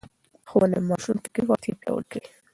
ښوونه د ماشوم فکري وړتیا پياوړې کوي.